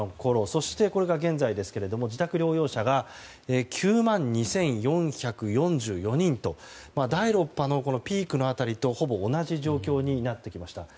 そして、青が現在ですが自宅療養者が９万２４４４人と第６波のピークの辺りとほぼ同じ状況になってきました。